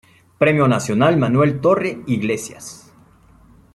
Premio Nacional Manuel Torre Iglesias.